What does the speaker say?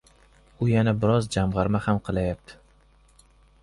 U yana biroz jamgʻarma ham qilayapti.